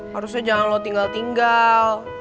harusnya jangan lo tinggal tinggal